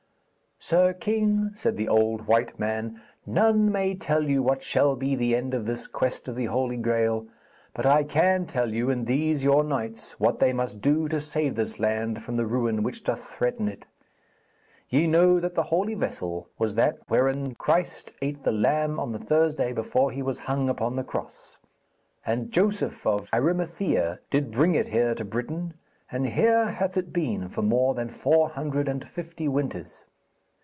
'Sir king,' said the old white man, 'none may tell you what shall be the end of this quest of the Holy Graal, but I can tell you and these your knights what they must do to save this land from the ruin which doth threaten it. Ye know that the Holy Vessel was that wherein Christ ate the lamb on the Thursday before he was hung upon the Cross. And Joseph of Arimathea did bring it here to Britain, and here hath it been for more than four hundred and fifty winters.